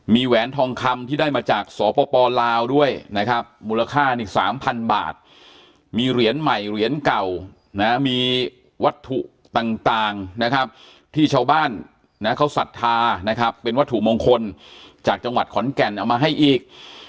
มีแหวนทองคำที่ได้มาจากสปลาวด้วยนะครับมูลค่านี่๓๐๐บาทมีเหรียญใหม่เหรียญเก่านะมีวัตถุต่างนะครับที่ชาวบ้านนะเขาศรัทธานะครับเป็นวัตถุมงคลจากจังหวัดขอนแก่นเอามาให้อีก